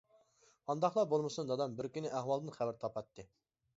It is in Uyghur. قانداقلا بولمىسۇن، دادام بىر كۈنى ئەھۋالدىن خەۋەر تاپاتتى.